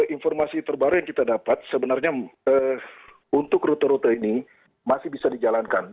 informasi terbaru yang kita dapat sebenarnya untuk rute rute ini masih bisa dijalankan